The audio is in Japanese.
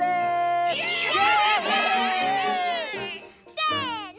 せの。